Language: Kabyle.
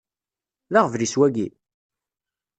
D aɣbel-is wagi?